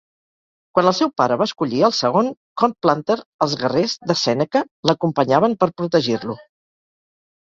Quan el seu pare va escollir el segon, Cornplanter els guerrers de Sèneca l'acompanyaven per protegir-lo.